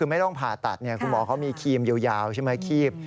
คือไม่ต้องผ่าตัดคุณหมอเขามีครีมยาวใช่ไหมคีบ